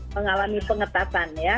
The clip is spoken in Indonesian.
mengalami pengetatan ya